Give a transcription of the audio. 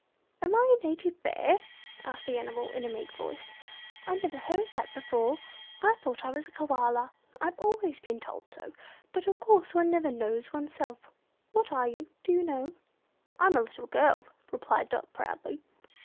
"Am I a native Bear?" asked the animal in a meek voice. "I never heard that before. I thought I was a Koala. I've always been told so, but of course one never knows oneself. What are you? Do you know?" "I'm a little girl," replied Dot, proudly.